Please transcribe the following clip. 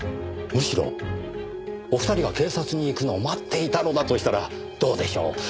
むしろお二人が警察に行くのを待っていたのだとしたらどうでしょう？